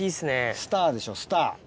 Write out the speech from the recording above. スターでしょスター。